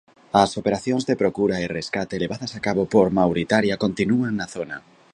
As operacións de procura e rescate levadas a cabo por Mauritania continúan na zona.